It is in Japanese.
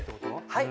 はい。